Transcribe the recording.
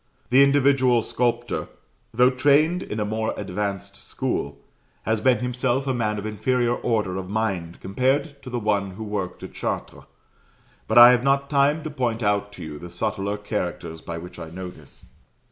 The individual sculptor, though trained in a more advanced school, has been himself a man of inferior order of mind compared to the one who worked at Chartres. But I have not time to point out to you the subtler characters by which I know this.